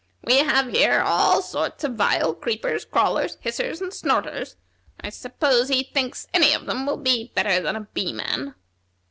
We have here all sorts of vile creepers, crawlers, hissers, and snorters. I suppose he thinks any thing will be better than a Bee man."